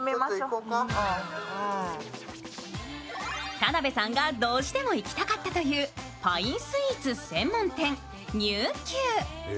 田辺さんがどうしても行きたかったというパインスイーツ専門店、ｎｅｗＱ。